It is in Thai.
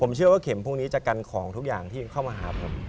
ผมเชื่อว่าเข็มพวกนี้จะกันของทุกอย่างที่เข้ามาหาผม